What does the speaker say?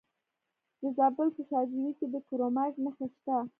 د زابل په شاجوی کې د کرومایټ نښې شته.